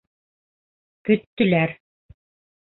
Көттөләр.